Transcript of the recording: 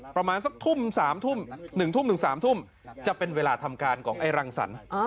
ประมาณสักทุ่ม๓ทุ่ม๑ทุ่มถึง๓ทุ่มจะเป็นเวลาทำการของไอ้รังสรรค์